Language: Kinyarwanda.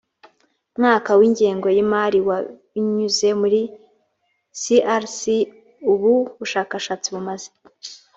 mwaka w ingengo y imari wa binyuze muri crc ubu bushakashatsi bumaze